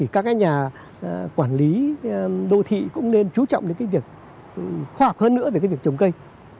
các nhà quản lý đô thị cũng nên chú trọng đến việc khoa học hơn nữa về việc trồng cây